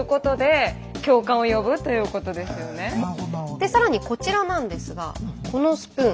で更にこちらなんですがこのスプーン。